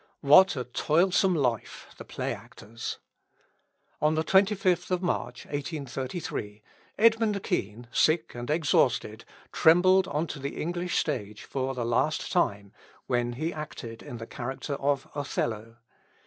What a toilsome life, the play actor's! On the 25th of March, 1833, Edmund Kean, sick and exhausted, trembled on to the English stage for the last time, when he acted in the character of Othello.